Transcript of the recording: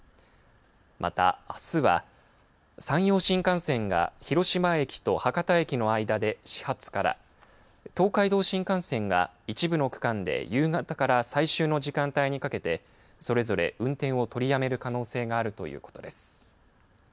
また、あすは山陽新幹線が広島駅と博多駅の間で始発から東海道新幹線が一部の区間で夕方から最終の時間帯にかけてそれぞれ運転を取りやめる可能性があるということです。